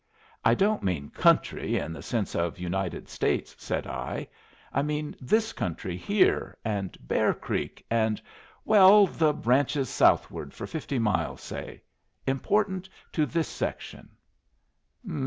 "I don't mean country in the sense of United States," said I. "I mean this country here, and Bear Creek, and well, the ranches southward for fifty miles, say. Important to this section."